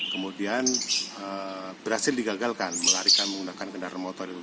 kemudian berhasil digagalkan melarikan menggunakan kendaraan motor